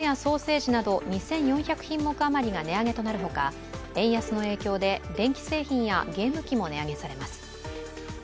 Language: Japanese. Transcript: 食品ではハムやソーセージなど２４００品目余りが値上げとなるほか円安の影響で、電気製品やゲーム機も値上げされます。